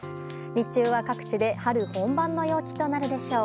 日中は、各地で春本番の陽気となるでしょう。